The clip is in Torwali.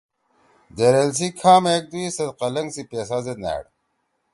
دیریل سی کھام ایک دوئی سیت قلنگ سی پیسازیت نأڑ۔